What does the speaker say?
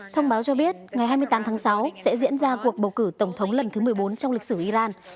thông báo cho biết ngày hai mươi tám tháng sáu sẽ diễn ra cuộc bầu cử tổng thống lần thứ một mươi bốn trong lịch sử iran